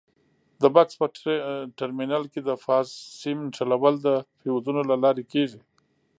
د بکس په ټرمینل کې د فاز سیم نښلول د فیوزونو له لارې کېږي.